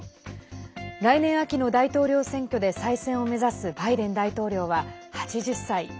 来年秋の大統領選挙で再選を目指すバイデン大統領は８０歳。